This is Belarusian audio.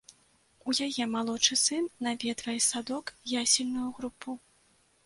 У яе малодшы сын наведвае садок ясельную групу.